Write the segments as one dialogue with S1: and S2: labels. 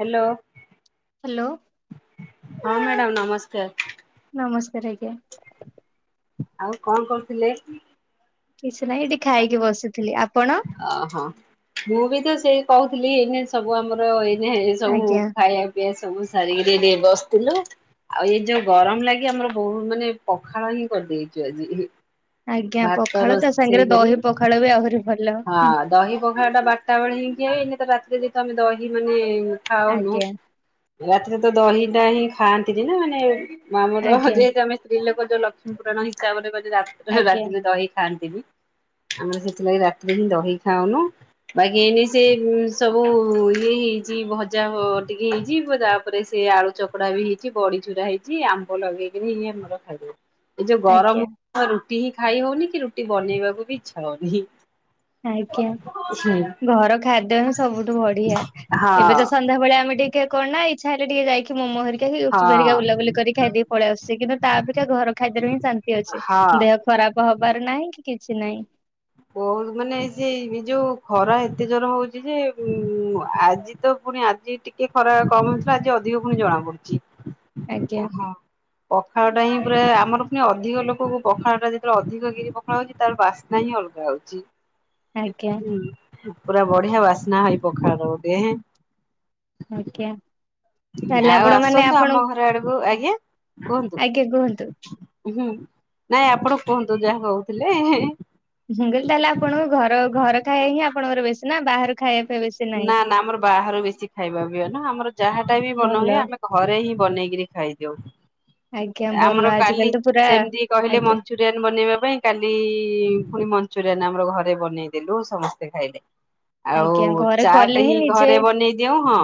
S1: Hello.
S2: Hello.
S1: ହଁ madam ନମସ୍କାର।
S2: ନମସ୍କାର ଆଜ୍ଞା।
S1: ଆଉ କଣ କରୁଥିଲେ?
S2: କିଛି ନାହିଁ ଏଠି ଖାଇକି ବସିଥିଲି। ଆପଣ?
S1: ଓହୋ ମୁଁ ବି ତ ସେଇ କହୁଥିଲି ଏଇନେ ସବୁ ଆମର ଏଇନେ ସବୁ
S2: ଆଜ୍ଞା
S1: ଖାଇବା ସବୁ ସାରିକିରି ଟିକେ ବସିଥିଲୁ। ଆଉ ଏଇ ଯୋଉ ଗରମ ଲାଗି ଆମର ବହୁତ ମାନେ ପଖାଳ ହିଁ କରିଦେଇଛୁ ଆଜି।
S2: ଆଜ୍ଞା
S1: ଭାତ
S2: ପଖାଳ
S1: ରୋଷେଇ
S2: ତାସାଙ୍ଗରେ
S1: କରି
S2: ଦହି ପଖାଳ ବି ଆହୁରି ଭଲ।
S1: ହଁ ଦହି ପଖାଳଟା ବାରଟା ବେଳେ ହେଇକି ଏଇନେ ତ ରାତିରେ ତ ଆମେ ଦହି ମାନେ ଖାଉନୁ
S2: ଆଜ୍ଞା
S1: ରାତିରେ ତ ଦହିଟା ହିଁ ଖାଆନ୍ତିନି ନା ମାନେ ଆମର
S2: ଆଜ୍ଞା
S1: ଯେହେତୁ ଆମେ ସ୍ତ୍ରୀଲୋକ ଯୋଉ ଲକ୍ଷ୍ମୀ ପୁରାଣ ହିସାବରେ [unintelligible]
S2: ଆଜ୍ଞା
S1: ରାତିରେ ଦହି ଖାଆନ୍ତିନି। ଆମର ବି ସେଥିଲାଗି ରାତିରେ ହିଁ ଦହି ଖାଉନୁ। ବାକି ଏଇନେ ସେ ସବୁ ଇଏ ହେଇଛି ଭଜା ଟିକେ ହେଇଛି ତାପରେ ସେ ଆଳୁ ଚକଡା ବି ହେଇଛି ବଡି ଚୁରା ହେଇଛି ଆମ୍ବ ଲଗେଇକିରି ହିଁ ଆମର ଖାଇଦଉ। ଏ ଯୋଉ
S2: ଆଜ୍ଞା
S1: ଗରମକୁ ରୁଟି ହିଁ ଖାଇ ହଉନି କି ରୁଟି ବନେଇବାକୁ ବି ଇଚ୍ଛା ହଉନି?
S2: ଆଜ୍ଞା।
S1: ଅଛି।
S2: ଘର ଖାଦ୍ୟ ହିଁ ସବୁଠୁ ବଢିଆ। ଏବେ ତ ସନ୍ଧ୍ୟାବେଳେ ଆମେ ଟିକେ କଣ ନା ଇଚ୍ଛା ହେଲେ ଟିକେ ଯାଇକି କି ମୋମୋ ହେରିକା କି ଗୁପଚୁପ
S1: ହଁ
S2: ହେରିକା ବୁଲାବୁଲି କରିକି ଖାଇଦେଇକି ପଲେଇ ଆସୁଛେ କିନ୍ତୁ ତା ଅପେକ୍ଷା ଘର ଖାଇବାରୁ ହିଁ ଶାନ୍ତି ଅଛି।
S1: ହଁ।
S2: ଦେହ ଖରାପ ହବାର ନାହିଁ କି କିଛି ନାହିଁ।
S1: ବହୁତ ମାନେ ସେ ଏଇ ଯୋଉ ଖରା ଏତେ ଜୋର ହଉଛି ଯେ ଆଜି ତ ପୁଣି ଆଜି ଟିକେ ଖରା କମ ହେଉଥିଲା ଆଜି ଅଧିକ ପୁଣି ଜଣା ପଡୁଚି।
S2: ଆଜ୍ଞା।
S1: ହଁ। ପଖାଳଟା ହିଁ ପୁରା ଆମର ପୁଣି ଅଧିକ ଲୋକକୁ ପଖାଳଟା ଯେତେବେଳେ ଅଧିକ କିରି ପଖାଳ ହଉଛି ତାର ବାସ୍ନା ହିଁ ଅଲଗା।
S2: ଆଜ୍ଞା
S1: ଯାଉଛିହେଁ ହୁଁ ପୁରା ବଢିଆ ବାସ୍ନା ହେଇ ପଖାଳର ଗୋଟେ ଏଁ।
S2: ଆଜ୍ଞା। ତାହେଲେ
S1: ଆଉ
S2: ଆପଣ ମାନେ
S1: ଆସନ୍ତୁ
S2: ଆପଣ
S1: ଆମ ଘର ଆଡକୁ ଆଜ୍ଞା କୁହନ୍ତୁ?
S2: ଆଜ୍ଞା କୁହନ୍ତୁ।
S1: ହୁଁ ନାଇଁ ଆପଣ କୁହନ୍ତୁ ଯାହା କହୁଥିଲେ ଏଁ ହେଁ।
S2: ମୁଁ କହିଲି ତାହେଲେ ଆପଣଙ୍କୁ ଘର ଘର ଖାଇବା ହିଁ ଆପଣଙ୍କର ବେଶୀ ନା ବାହାର ଖାଇବା ପାଇଁ ବେଶୀ ନାହିଁ।
S1: ନା ନା ଆମର ବାହାରୁ ବେଶି ଖାଇବା ପିଇବା ନୁହଁ ଆମର ଯାହାଟା ବି ମନ
S2: ଭଲ
S1: ହୁଏ ଆମେ ଘରେ ହିଁ ବନେଇକିରି ଖାଇଦେଉ।
S2: ଆଜ୍ଞା ଭଲ
S1: ଆମର କାଲି
S2: ଆଜିକାଲି ତ ପୁରା
S1: ସେମିତି କହିଲେ
S2: ଆଜ୍ଞା
S1: ମଞ୍ଚୁରୀ ଚିକେନ୍ ବନେଇବା ପାଇଁ କାଲି ପୁଣି ମଞ୍ଚୁରିଆନ୍ ଆମର ଘରେ ବନେଇଦେଲୁ ସମସ୍ତେ ଖାଇଲେ।
S2: ଆଜ୍ଞା ଘରେ
S1: ତାଆରତ
S2: କଲେ ହିଁ
S1: ଏହି
S2: ନିଜେ
S1: ଘରେ ବନେଇ ଦିଉ ହଁ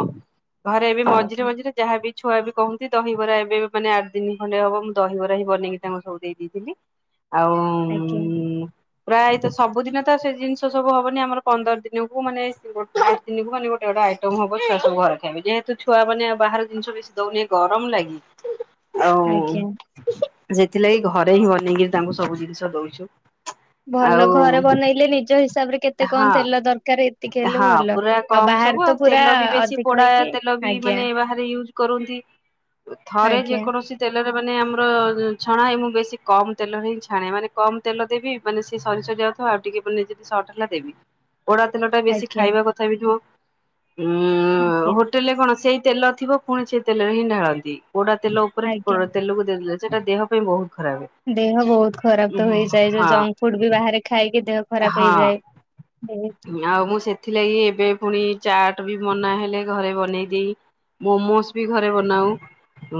S1: ଘରେ ବି ମଝିରେ
S2: ଆଜ୍ଞା
S1: ମଝିରେ ଯାହାବି ଛୁଆ ବି କହନ୍ତି ଦହିବରା ଏବେ ମାନେ ଆଠ ଦିନ ଖଣ୍ଡେ ହବ ମୁଁ ଦହିବରା ବି ବନେଇକି ତାଙ୍କୁ ସବୁ ଦେଇଦେଇଥିଲି। ଆଉ ଉଁ ଉଁ
S2: ଆଜ୍ଞା
S1: ଉମ୍ ପ୍ରାୟତ ସବୁଦିନ ତ ସେ ଜିନିଷ ସବୁ ହବନି ଆମର ପନ୍ଦର ଦିନକୁ ମାନେ ସିଏ ଗୋଟ୍ [unintelligible] ଗୋଟେ ଗୋଟେ ଆଇଟମ ହବ ଛୁଆ ସବୁ ଘରେ ଖାଇବେ ଯେହେତୁ ଛୁଆ ମାନେ ଆଉ ବାହାର ଜିନିଷ ବେଶି ଦଉନି ଗରମ ଲାଗି। ଆଉ
S2: ଆଜ୍ଞା।
S1: ସେଥିଲାଗି ଘରେ ହିଁ ବନେଇକିରି ତାଙ୍କୁ ସବୁ ଜିନିଷ ଦଉଛୁ।
S2: ଭଲ
S1: ଆଉ
S2: ଘରେ ବନେଇଲେ ନିଜ ହିସାବରେ କେତେ କଣ
S1: ହଁ
S2: ତେଲ ଦରକାର ଏତିକି ହେଲେ
S1: ହଁ
S2: ଭଲ
S1: ପୁରା
S2: ଆଉ ବାହାରେ ତ ପୁରା ଅଧିକ ହେଇକି
S1: ଲବି
S2: ଆଜ୍ଞା
S1: ମାନେ ବାହାରେ ୟୁଜ କରନ୍ତି ଥରେ
S2: ଆଜ୍ଞା
S1: ଯେକୌଣସି ତେଲରେ ମାନେ ଆମର ଛଣା ହୁଏ ମୁଁ ବେଶୀ କମ ତେଲରେ ହିଁ ଛାଣେ ମାନେ କମ ତେଲ ଦେବି ମାନେ ସେ ସରି ସରି ଯାଉିଥିବ ଆଉ ଟିକେ ବୁଲେଇଦେବି ସ କଇଲା ଦେବି ପୋଡ଼ା ତେଲ ଟା ବେଶୀ
S2: ଆଜ୍ଞା
S1: ଖାଇବା କଥା ବି ନୁହଁ
S2: ଆଜ୍ଞା।
S1: ଉଁ ଉଁ ହୋଟେଲରେ କଣ ସେଇ ତେଲ ଥିବ ପୁଣି ସେ ତେଲରେ ହିଁ ଢାଳନ୍ତି ପୋଡା ତେଲ ଉପରେ ପୋ
S2: ଆଜ୍ଞା
S1: ତେଲକୁ ଦେଇଦେଲେ ସେଇଟା ଦେହ ପାଇଁ ବହୁତ ଖରାପ।
S2: ଦେହ ବହୁତ ଖରାପ
S1: ହଁ
S2: ତ ହେଇଯାଏ ଯୋଉ ଜଙ୍କ୍‌ ଫୁଡ ବି ବାହାରେ ଖାଇକି ଦେହ ଖରାପ
S1: ହଁ
S2: ହେଇଯାଏ। ଏମିତ୍।
S1: ଆଉ ମୁଁ ସେଥିଲାଗି ଏବେ ପୁଣି ଚାଟ ବି ବନା ହେଲେ ଘରେ ବନେଇ ଦେଇ ମୋମୋସ୍ ବି ଘରେ ବନାଉ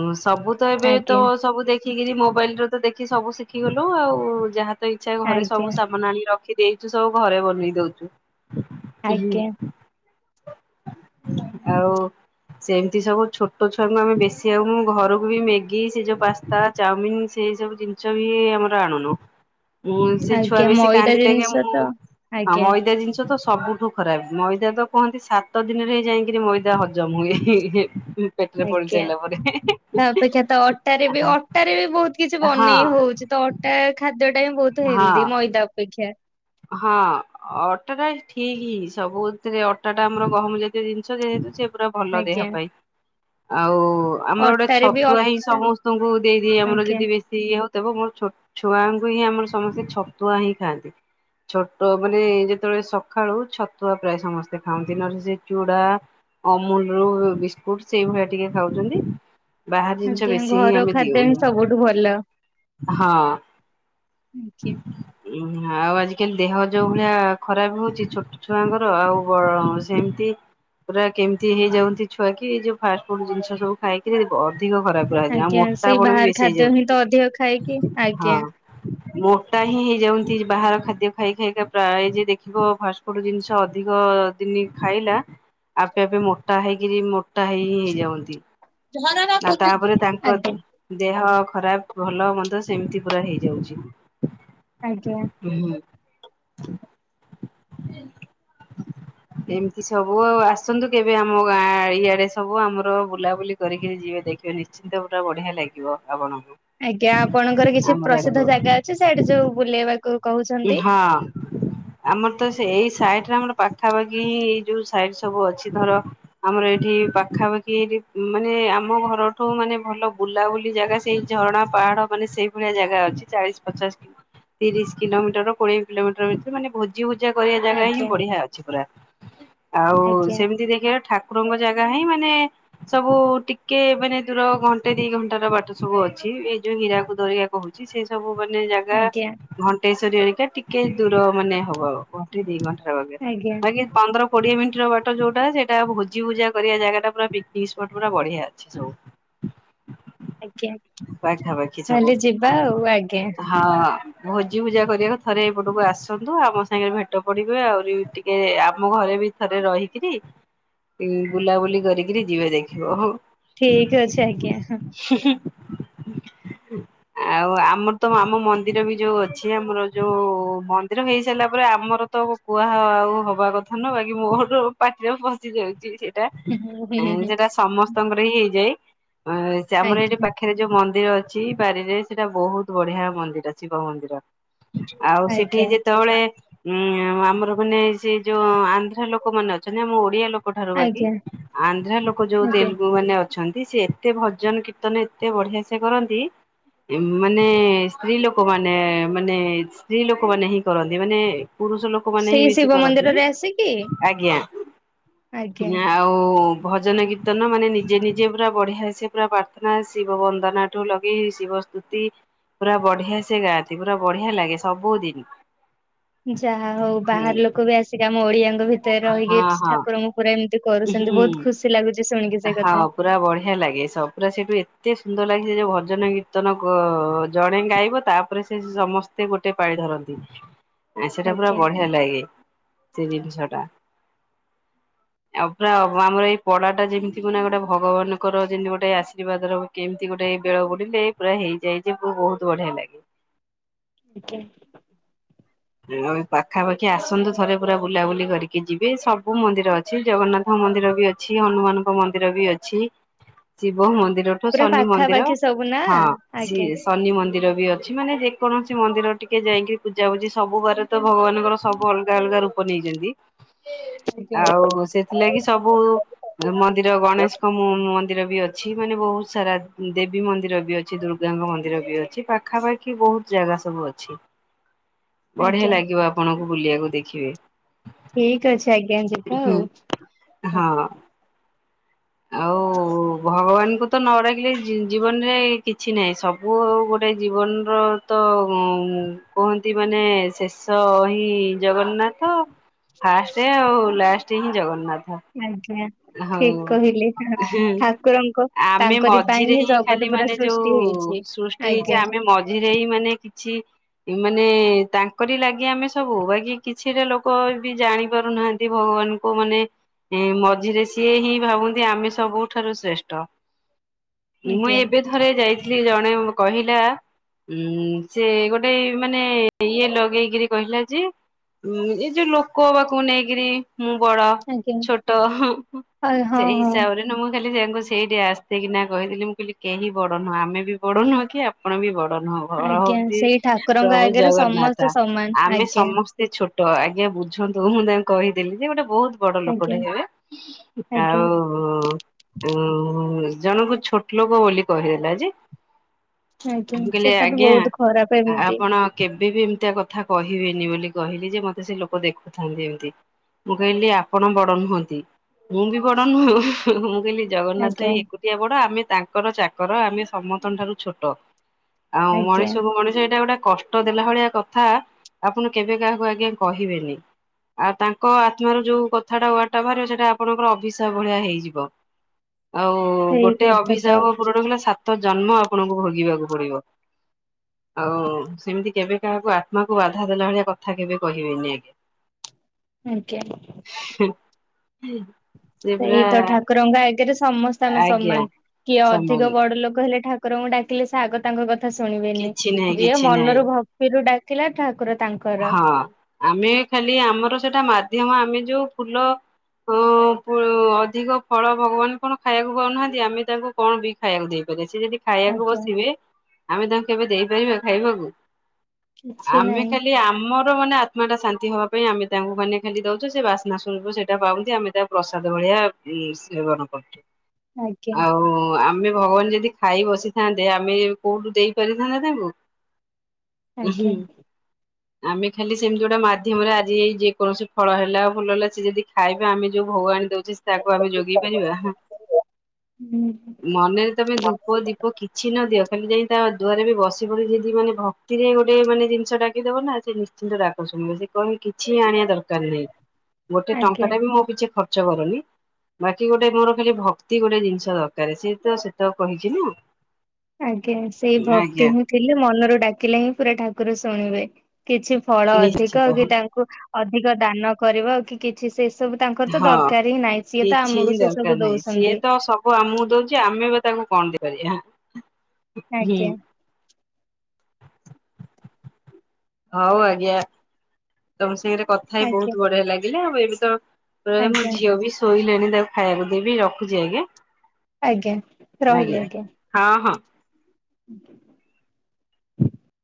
S1: ଉଁ ସବୁ ତ ଏବେ ତ
S2: ଆଜ୍ଞା
S1: ସବୁ ଦେଖିକିରି ମୋବାଇଲ ରେ ତ ଦେଖି ସବୁ ଶିଖିଗଲୁ ଆଉ ଯାହା ତ ଇଚ୍ଛା ଘରେ
S2: ଆଜ୍ଞା।
S1: ସବୁ ସାାମନ ଆଣିକି ରଖି ଦେଇେଛୁ ସବୁ ଘରେ ବନେଇ ଦଉଛୁ। ଉଁ ହୁଁ
S2: ଆଜ୍ଞା
S1: ଆଉ ସେମିତି ସବୁ ଛୋଟ ଛୁଆଙ୍କୁ ଆମେ ବେଶୀ ଆଉ ମୁଁ ଘରକୁ ବି ମ୍ୟାଗି ସେ ଯୋଉ ପାସ୍ତା ଚାଉମିିନ ସେଇ ସବୁ ଜିନିଷ ବି ଆମର ଆଣୁନୁ। ମୁଁ ସେ ଛୁଆ
S2: ଆଜ୍ଞା
S1: ବେଶୀ
S2: ମଇଦା
S1: କାନ୍ଦିଲେ ଗି,
S2: ଜିନିଷ
S1: ମୁଁ
S2: ତ
S1: ଆଉ
S2: ଆଜ୍ଞା
S1: ମଇଦା ଜିନିଷ ତ ସବୁଠୁ ଖରାପ ମଇଦା ତ କୁହନ୍ତି ସାତ ଦିନରେ ଯାଇକିରି ମଇଦା ହଜମ ହୁଏ ହେ ହେ ହେ ହେ
S2: ଆଜ୍ଞା ତା ଅପେକ୍ଷା ତ ଅଟାରେ ବି
S1: ହଁ
S2: ଅଟାରେ ବି ବହୁତ କିଛି ବନେଇ
S1: ହଁ
S2: ହଉଛି ତ ଅଟ୍ ଟା ଖାଦ୍ୟଟା ହିଁ ବହୁତ ହେଲ୍ଦି ମଇଦା ଅପେକ୍ଷା।
S1: ହଁ ଅଟା ଟା ଠିକ୍ ସବୁଥିରେ ଅଟା ଟା ଆମର ଗହମ ଜାତୀୟ ଜିନିଷ ଯେ ସେ ପୁରା ଭଲ ଦେହ
S2: ଆଜ୍ଞା
S1: ପାଇଁ ଆଉ ଆମର ଗୋଟେ
S2: ଅଟାରେ ବି
S1: ଛତୁଆ ହିଁ
S2: ଅଟା
S1: ସମସ୍ତଙ୍କୁ ଦେଇଦିଏ ଆମର
S2: ଆଜ୍ଞା
S1: ଯଦି ବେ ଇଏ ହଉଥବ ମୋର ଛ ଛୁଆଙ୍କୁ ହିଁ ଆମର ସମସ୍ତେ ଛତୁଆ ହିଁ ଖାଆନ୍ତି। ଛୋଟ ମାନେ ଯେତେବେଳେ ସକାଳୁ ଛତୁଆ ପ୍ରାୟ ସମସ୍ତେ ଖାଆନ୍ତି ନହେଲେ ସେ ଚୁଡା ଅମୁଲୁ ବିସ୍କୁଟ ସେଇ ଭଳିଆ ଟିକେ ଖାଉଛନ୍ତି ବାହାର ଜିନିଷ
S2: ଆଜ୍ଞା
S1: ବେଶୀ ହିଁ
S2: ଘର
S1: ଆମେ
S2: ଖାଦ୍ୟ ହିଁ
S1: ଦିଉନୁ
S2: ସବୁଠୁ ଭଲ।
S1: ହଁ।
S2: ଆଜ୍ଞା।
S1: ଉଁ ଆଉ ଆଜି କିନ୍ତି ଦେହ ଯୋଉ ଭଳିଆ ଖରାପ ହଉଛି ଛୋଟ ଛୁଆଙ୍କର ଆଉ ବ ସେମିତି ପୁରା କେମିତି ହେଇଯାଉନ୍ତି ଛୁଆ କି ଏଇ ଯୋଉ ଫାଷ୍ଟ ଫୁଡ ଜିନିଷ ସବୁ ଖାଇକିରି ଅଧିକ ଖରାପ। ପ [inaudible] ଆଉ
S2: ଆଜ୍ଞା ସେଇ
S1: ମୋଟାପଣ ବି
S2: ବାହାର
S1: ବେଶୀ
S2: ଖାଦ୍ୟ ହିଁ ତ ଅଧିକ ଖାଇକି
S1: ହେଇଯାଉଛନ୍ତି ହଁ।
S2: ଆଜ୍ଞା।
S1: ମୋଟା ହିଁ ହେଇଯାଅନ୍ତି ଏ ବାହାର ଖାଦ୍ୟ ଖାଇ ଖାଇକା ପ୍ରାୟ ଯେ ଦେଖିବ ଫାଷ୍ଟଫୁଡ ଜିନିଷ ଅଧିକ ଦିନି ଖାଇଲା ଆପେ ଆପେ ମୋଟା ହେଇକିରି ମୋଟା ହେଇ ହିଁ ହେଇଯାଅନ୍ତି।
S2: ଝରକା
S1: ଆଉ
S2: ଖୋଲିଦେ।
S1: ତାପରେ ତାଙ୍କ
S2: ଆଜ୍ଞା
S1: ଦେହ ଖରାପ ଭଲ ମନ୍ଦ ସେମିତି ପୁରା ହେଇଯାଉଛି।
S2: ଆଜ୍ଞା।
S1: ହୁଁ। ଏମିତି ସବୁ ଆଉ ଆସନ୍ତୁ କେବେ ଆମ ଗାଁ ଇଆଡେ ସବୁ ଆମର ବୁଲାବୁଲି କରିକି ଯିବେ ଦେଖିବ ନିଶ୍ଚିନ୍ତ ତ ପୁରା ବଢିଆ ଲାଗିବ ଆପଣଙ୍କୁ।
S2: ଆଜ୍ଞା ଆପଣଙ୍କର କିଛି
S1: ଆମର
S2: ପ୍ରସିଦ୍ଧ
S1: ଆଡକୁ
S2: ଜାଗା ଅଛି ସିଆଡେ ଯୋଉ ବୁଲେଇବାକୁ କହୁଛ
S1: ଉ ହଁ। ଆମର ତ ସେ ଏଇ ସାଇଟରେ ଆମର ପାଖାପାଖି ହିଁ ଏଇ ଯୋଉ ସାଇଟ ସବୁ ଅଛି ଧର ଆମର ଏଠି ପାଖାପାଖି ଏଠି ମାନେ ଆମ ଘରଠୁ ମାନେ ଭଲ ବୁଲାବୁଲି ଜାଗା ସେଇ ଝରଣା ପାହାଡ ମାନେ ସେଇ ଭଳିଆ ଜାଗା ଅଛି ଚାଳିଶ ପଚାଶ ତିରିଶ କିଲୋମିଟର କୋଡିଏ କିଲୋମିଟର ଭିତରେ ମାନେ ଭୋଜିଭୁଜା କରିବା ଜାଗା ହିଁ
S2: ଆଜ୍ଞା
S1: ବଢିଆ ଅଛି ପୁରା। ଆଉ
S2: ଆଜ୍ଞା
S1: ସେମିତି ଦେଖିବା ଠାକୁରଙ୍କ ଜାଗା ହିଁ ମାନେ ସବୁ ଟିକେ ମାନେ ଦୂର ଘଣ୍ଟେ ଦି ଘଣ୍ଟାର ବାଟ ସବୁ ଅଛି ଏଇ ଯୋଉ ହୀରାକୁଦ ହେରୀକି। କହୁଛି ସେ ସବୁ ମାନେ ଜାଗା
S2: ଆଜ୍ଞା
S1: ଘଣ୍ଟେଶ୍ଵରୀ ହେରିକା ଟିକେ ଦୂର ମାନେ ହବ। ି ଘଣ୍ଟର ଆଜ୍ଞା [unintelligible] ପନ୍ଦର କୋଡିଏ ମିନିଟ ର ବାଟ ଯୋଉଟା ସେଇଟା ଭୋଜି ଭୁଜା କରିବା ଜାଗା ପୁରା ପିକନିକ ସ୍ପଟ ପୁରା ବଢିଆ। ଅଛି ସବୁ।
S2: ଆଜ୍ଞା।
S1: ପାଖା ପାଖି ସବୁ
S2: ତାହେଲେ ଯିବା ଆଉ ଆଜ୍ଞା
S1: ହଁ ଭୋ ଭୁଜି ପୂଜା କରିବାକୁ ଥରେ ଏପଟକୁ ଆସନ୍ତୁ ଆମ ସାଙ୍ଗରେ ଭେଟ ପଡ଼ିବେ ଆହୁରି ଟିକେ ଆମ ଘରେ ବି ଥରେ ରହିକିରି ବୁଲାବୁଲି କରିକିରି ଯିବେ ଦେଖିବ ହଉ।
S2: ଠିକ ଅଛି ଆଜ୍ଞା ହ।
S1: ହୁଁ ହୁଁ ଆଉ ଆମର ତ ଆମ ମନ୍ଦିର ବି ଯୋଉ ଅଛି। ଅଛି ଆମର ଯୋଉ ମନ୍ଦିର ହେଇ ସାରିଲା ପରେ ଆମର ତ କୁହା ଆଉ ହବା କଥା ନୁହଁ ବାକି ମୋର ପାଟିରେ ଫଶି ଯାଉଛି ସେଇଟା
S2: ହୁଁ ହୁଁ ହୁଁ
S1: ସେଟା ସମ ସମର ହିଁ ହେଇଯାଏ। ଅ ଆମର ଏଇଠି
S2: ଆଜ୍ଞା
S1: ପାଖରେ ଯୋଉ ମନ୍ଦିର ଅଛି ବାରିରେ ସେଟା ବହୁତ ବଢିଆ ମନ୍ଦିର ଶିବ ମନ୍ଦିର। ଆଉ ସେଠି
S2: ଆଜ୍ଞା।
S1: ଯେତେବେଳେ ଉଁ ଆମର ମାନେ ସେ ଯୋଉ ଆନ୍ଧ୍ରା ଲୋକ ମାନେ ଅଛନ୍ତି ଆମ ଓଡିଆ ଲୋ ଲୋକ ଠାରୁ ବାକି
S2: ଆଜ୍ଞା
S1: ଆନ୍ଧ୍ରା ଲୋକ ଯୋଉ
S2: ଆଜ୍ଞା
S1: ତେଲୁଗୁ ମାନେ ଅ ଅଛନ୍ତି ସେ ଏତେ ଭଜନ କୀର୍ତ୍ତନ ଏତେ ବଢିଆ ସେ କରନ୍ତି। ମାନେ ସ୍ତ୍ରୀ ଲୋକମାନେ ମାନେ ସ୍ତ୍ରୀ ଲୋକ ମାନେ ହିଁ କରନ୍ତି ମାନେ ପୁରୁଷ ଲୋକ। ଲୋକମାନେ ହିଁ
S2: ସେଇ
S1: ବେଶୀ
S2: ଶିବ
S1: କରନ୍ତିନି
S2: ମନ୍ଦିରରେ ଆସିକି
S1: ଆଜ୍ଞା
S2: ଆଜ୍ଞା
S1: ଆଉ ଓ, ଭଜନ କୀର୍ତ୍ତନ ମାନେ ନିଜେ ନିଜେ ପୁରା ବଢିଆ ସେ ପୁରା ପ୍ରାର୍ଥନା, ଶିବ ବନ୍ଦନା ଠୁ ଲଗେଇ ଶିବ ସ୍ତୁତି ପୁରା ବଢିଆ ସେ ଗା ଥି ପୁରା ବଢିଆ ଲାଗେ ସବୁଦିନ।
S2: ଯାହା ହଉ
S1: ହଁ
S2: ବାହାର ଲୋକ ବି ଆସିକି ଆମ ଓଡିଆଙ୍କ ଭିତରେ ରହିକି
S1: ହଁ
S2: ଠାକୁରଙ୍କୁ ପୁରା ଏମିତି କରୁଛନ୍ତି
S1: ହୁଁ
S2: ବହୁତ ଖୁସି ଲାଗୁଛି ଶୁଣିକି। ସେ
S1: ହଁ
S2: କଥା
S1: ପୁରା ବଢିଆ ଲାଗେ ସ ପୁରା ସେଠୁ ଏତେ ସୁନ୍ଦର ଲାଗେ ସେ ଯୋଉ ଭଜନ କୀର୍ତ୍ତନ କ- ଜଣେ ଗାଇବ ତାପରେ ସେ ସମସ୍ ତେ ଗୋଟେ ପାଳି ଧରନ୍ତି, ଆ, ସେଟା ପୁରା
S2: ଆଜ୍ଞା
S1: ବଢିଆ ଲାଗେ। ସେ ଜିନିଷ ଟା ଆଉ ପୁରା ଓ ଆମର ଏଇ ପଡା ଟା ଯେମିତି ମାନେ ଗୋଟେ ଭଗବାନଙ୍କର ଯେମିତି ଗୋଟେ ଆଶୀର୍ବାଦର କେମିତି ଗୋଟେ ବେଳ ବୁଡିଲେ ପୁରା ହେଇଯାଇଚି ବୁ ବହୁତ ବଢିଆ ଲାଗେ।
S2: ଆଜ୍ଞା।
S1: ପାଖାପାଖି ଆସନ୍ତୁ ଥରେ ପୁରା ବୁଲାବୁଲି କରିକି ଯିବେ, ସବୁ ମନ୍ଦିର ଅ ଛି, ଜଗନ୍ନାଥ ମନ୍ଦିର ବି ଅଛି, ହନୁମାନଙ୍କ ମନ୍ଦିର ବି ଅଛି, ଶିବ ମନ୍ଦିର ଠୁ
S2: ପୁରା
S1: ଶନି ମନ୍ଦିର
S2: ପାଖାପାଖି ସବୁ ନା
S1: ହଁ
S2: ଆଜ୍ଞା
S1: ସିଏ ଶନି ମନ୍ଦିର ବି ଅଛି ମାନେ ଯେକୌଣସି ମନ୍ଦିର ଟିକେ ଯାଇକି ପୂଜାପୂଜିି ସ ସବୁ ଘରେ ତ ଭଗବାନଙ୍କର ସବୁ ଅଲଗା ଅଲଗା ରୂପ ନେଇଚନ୍ତି,
S2: ଆଜ୍ଞା।
S1: ଆଉ ସେ ଥିଲାଗି ସବୁ ହେ ମନ୍ଦିର ଗଣେଶଙ୍କ ମ-ମନ୍ଦିର ବି ଅଛି, ମାନେ ବହୁତ ସାରା ଦେବୀ ମନ୍ଦିର ବି ଅ ଛି, ଦୁର୍ଗାଙ୍କ ମନ୍ଦିର ବି ଅଛି, ପାଖାପାଖି ବହୁତ ଜାଗା ସବୁ ଅଛି। ବଢିଆ
S2: ଆଜ୍ଞା
S1: ଲାଗିବ ଆପଣଙ୍କୁ ବୁଲିବାକୁ ଦେଖିବେ।
S2: ଠିକ ଅଛି ଆଜ୍ଞା ଯିବା
S1: ହୁଁ
S2: ଆଉ। ଆଜ୍ଞା।
S1: ହଁ। ଆଉ ଭଗବାନଙ୍କୁ ତ ନ ଡ଼ାକିଲେ ଜୀ ଜୀବନରେ କିଛି ନାହିଁ, ସବୁ ଗୋଟେ ଜୀବନର ତ ଉଁ, କୁହନ୍ତି ମାନେ ଶେଷ ହିଁ ଜଗନ୍ନାଥ। ଫାଷ୍ଟେ ଆଉ ଲାଷ୍ଟ ହିଁ ଜଗନ୍ନାଥ।
S2: ଆଜ୍ଞା। ଠିକ୍
S1: ହଉ।
S2: କହିଲେ ହଁ ଠାକୁରଙ୍କ
S1: ଆମେ
S2: ତାଙ୍କରି ପାଇଁ
S1: ମଝିରେ
S2: ହିଁ
S1: ଖାଲି
S2: ଜଗତ ପୁରା
S1: ମାନେ ଯୋଉ
S2: ସୃଷ୍ଟି ହେଇଛି।
S1: ସୃଷ୍ଟି ହେଇଛି
S2: ଆଜ୍ଞା
S1: ଆମେ ମଝିରେ ହି ମାନେ କିଛି ମାନେ ତାଙ୍କରି ଲାଗେ ଆମେ ସବୁ, ବାକି କିଛିଟା ଲୋକ ବି ଜାଣି ପାରୁନାହାନ୍ତି ଭଗବାନ କୁ ମାନେ ଏଁ, ମ ଝିରେ ସିଏ ହିଁ ଭାବନ୍ତି ଆମେ ସବୁଠାରୁ ଶ୍ରେଷ୍ଠ। ମୁଁ
S2: ଆଜ୍ଞା
S1: ଏବେ ଥରେ ଯାଇଥିଲି ଜଣେ କହିଲା ଉଁ, ସେ ଗୋଟେ ଏ ମାନେ ଇଏ ଲଗେଇକିରି କହିଲା ଯେ ଉଁ, ଏ ଯେ ଲୋକ ପାଖକୁ ନେଇକିରି ମୁଁ ବଡ
S2: ଆଜ୍ଞା
S1: ଛୋଟ ହଁ।
S2: ଆ ହଁ
S1: ସେଇ
S2: ହଁ
S1: ହିସାବରେ ନା ମୁଁ ଖାଲି ତାଙ୍କୁ ସେଇଠି ଆସ୍ତେଇ କିି ନା କହିଥିଲି ମୁଁ କହିଲି କେହି ବଡ ନୁହଁ, ଆମେ ବି ବଡ ନୁହଁ କି ଆପଣ ବି ବଡ ନୁହଁ। ବଡ
S2: ଆଜ୍ଞା
S1: ହନ୍ତି
S2: ସେଇ ଠାକୁରଙ୍କ
S1: ପ୍ରଭୁ
S2: ଆଗରେ
S1: ଜଗନ୍ନାଥ
S2: ସମସ୍ତେ ସମାନ
S1: ଆମେ
S2: ଆଜ୍ଞା
S1: ସମସ୍ ସେ ଛୋଟ ଆଜ୍ଞା ବୁଝନ୍ତୁ ମୁଁ ତାଙ୍କୁ କହିଦେଲି ଯେ ଗୋଟେ ବହୁତ ବଡ
S2: ଆଜ୍ଞା
S1: ଲୋକଟେ ହେବେ।
S2: ଆଜ୍ଞା
S1: ଆଉ ହଁ ଅଁ, ଜଣଙ୍କୁ ଛୋଟ ଲୋକ ବୋଲି କହିଦେଲା ଯେ
S2: ଆଜ୍ଞା
S1: ମୁଁ କହିଲି
S2: ସେଇଟା ତ
S1: ଆଜ୍ଞା
S2: ବହୁତ ଖରାପ
S1: ଆ,
S2: ଏମିତି
S1: ଆପଣ କେବେ ବି ଏମିତିଆ କଥା କହିବେନି ବୋଲି କହିଲି ଯେ, ମୋତେ ସେ ଲୋକ ଦେଖୁଥାନ୍ତି ଏମିତି। ମୁଁ କହିଲି ଆପଣ ବଡ ନୁହନ୍ତି, ମୁଁ ବି ବଡ ନୁହଁ, ମୁଁ କହିଲି ଜଗନ୍ନାଥ
S2: ଆଜ୍ଞା
S1: ହିଁ ଏକୁ ସିଏ ବଡ଼ ଆମେ ତାଙ୍କର ଚାକର ଆମେ ସମସ୍ତଙ୍କ ଠାରୁ ଛୋଟ। ଆଉ
S2: ଆଜ୍ଞା
S1: ମଣିଷକୁ ମଣିଷ ଏଇଟା ଗୋଟା କଷ୍ଟ କଷ୍ଟ ଦେଲା ଭଳିଆ କଥା ଆପଣ କେବେ କାହାକୁ ଆଜ୍ଞା କହିବେନି। ଆଉ ତାଙ୍କ ଆତ୍ମାର ଯୋଉ କଥାଟା ଉଆଟାବାହାରିବ ସେଇଟା ଆପଣଙ୍କର ଅଭିଶାାବ ଭଳିଆ ହେଇଯିବ ଆଉ
S2: ସେଇ
S1: ଗୋଟାଏ
S2: କଥା ତ
S1: ଅଭିଶାାବ ପୁରଣ ହେଲା ସାତ ସାତ ଜନ୍ମ ଆପଣଙ୍କୁ ଭୋଗିବାକୁ ପଡ଼ିବ। ଆଉ ସେମିତି କେବେ କାହାକୁ ଆତ୍ମାକୁ ବାଧା ଦେଲା ଭଳିଆ କଥା କେବେ କହିବେନି ଆଜ୍ଞା। [inaudible]
S2: ଆଜ୍ଞା।
S1: ହୁ। ହୁଁ।
S2: ସେଇତ ଠାକୁରଙ୍କ ଆଗରେ ସମସ୍ତେ ଆମେ
S1: ଆଜ୍ଞା
S2: ସମାନ କିଏ
S1: ସମାନ
S2: ଅଧିକ ବଡ଼ ଲୋକ ହେଲେ ଠାକୁ ଠାକୁରଙ୍କୁ ଡାକିଲେ ସେଆଗ ତାଙ୍କ କଥା ଶୁଣିବେନି
S1: କିଛି ନାହିଁ
S2: ଯିଏ
S1: କିଛି ନାହିଁ
S2: ମନରୁ ଭକ୍ତିରୁ ଡାକିଲା ଠାକୁର ତାଙ୍କ
S1: ହଁ ଆମେ ଖାଲି ଆମର ସେଇଟା ମାଧ୍ୟମ ଆମେ ଯୋଉ ଫୁଲ ହ ଫୁ ଅଧିକ ଫଳ ଭଗବାନ କଣ୍ ଖାଇବାକୁ ପାଉନାହାନ୍ତି ଆମେ ତାଙ୍କୁ କଣବି ଖାଇବାକୁ ଦେଇପାରିବ ସେ ଯଦି ଖାଇବାକୁ
S2: ଆଜ୍ଞା
S1: ବସିବେ ଆମେ ତାଙ୍କୁ କେବେ ଦେଇପାରିବା ଖାଇବାକୁ?
S2: କିଛି ନାହିଁ।
S1: କିଆମର ମାନେ ଆତ୍ମାଟା ଶାନ୍ତି ହବା ପାଇଁ ଆମେ ତାଙ୍କୁ ମାନେ ଖାଲି ଦଉଚୁ ସେବାସ୍ନା ସ୍ୱରୂୁ ସେଟା ପାଉନ୍ତି ଆମେ ତା ପ୍ରସାଦ ଭଳିଆ ସେବନ କରୁଚୁ
S2: ଆଜ୍ଞା
S1: ଆଉ ଆମେ ଭଗବାନ୍ ଯଦି ଯଦି ଖାଇ ବସିଥାନ୍ତେ ଆମେ କୋଉଠୁ ଦେଇ ପାରିଥାନ୍ତତା ତାଙ୍କୁ। ହୁଁ
S2: ଆଜ୍ଞା।
S1: ଆମେ ଖାଲି ସେମିତି ଗୋଟିଏମାଧ୍ୟମରେ ଆଜି ଏଇ ଯେକୌଣସି ଫଳ ହେଲା ଆ ଫୁଲ ହେଲା ସେଯଦି ଖାଇବେ ଆମେ ଯୋଉ ଭଗ ଆଣି ଦଉଚୁ ଯେତାକୁ ଆମେ ଯୋଗେଇ ପାରିବା
S2: ହୁଁ
S1: ମନରେ ତମେ ଧୂପ ଦୀପ କିଛି ନଦିଅ ଖାଲି ଯାଇ ତା ଦୁଆରେବି ବସି ପଡ଼ି ଯଦି ମାନେ ଭକ୍ତିରେ ଗୋଟା ମାନେ ଜିନିଷଟା ଡାକିଦବନା ସେ ନିଶ୍ଚିନ୍ତ ଡାକ ଶୁଣିବେ ସେକହିବେ କିଛି ଆଣିବା ଦରକାର କରିବେ ଗୋଟେ
S2: ଆଜ୍ଞା
S1: ଟଙ୍କାଟାବି ମୋପିଛେ ଖର୍ଚ୍ଚ ହବନି। ବାକି ଗୋଟେ ମୋର ଖାଲି ଭକ୍ତି ଗୋଟେ ଜିନିଷ ଦରକାରେ ସିଏତ ସେତକ କହିଚିନା।
S2: ଆଜ୍ଞା ସେଇ ଭକ୍ତିହିଁ ଥିଲେ ମନରୁ ଡାକିଲେହିଁ ପୂରା ଠାକୁର ଶୁଣିବେ କିଛି ଫଳ
S1: ନିଶ୍ଚିତ
S2: ଅଧିକ କିତାଙ୍କୁ ଅଧିକ ଦାନ କରିବ କି-କି ଛି ସେସବୁ ତାଙ୍କରତ
S1: ହଁ।
S2: ଦରକାରହିଁ ନାହିଁ ସିଏତ ଆମକୁ ସେସବୁ ଦଉଚନ୍ତି।
S1: ସେତ ଆମକୁ ଦଉଚି, ଆମେବା ତାକୁ କଣ ଦେଇପାରିବା। ହୁଁ।
S2: ଆଜ୍ଞା।
S1: ହଉ ଆଜ୍ଞା ତମ ସାଙ୍ଗରେ କଥାହେଇ
S2: ଆଜ୍ଞା
S1: ବହୁତ୍ ବଢ଼ିଆ ଲାଗିଲା ଆଉ ଏବେତ ହଁ ମୋ
S2: ଆଜ୍ଞା
S1: ଝିଅବି ଶୋଇଲାଣି ତାକୁ ଖାଇବାକୁ ଦେବି ରଖୁଚି ଆଜ୍ଞା।
S2: ଆଜ୍ଞା ରହିଲି ଆଜ୍ଞା।
S1: ହଁ ହଁ।
S2: [inaudible]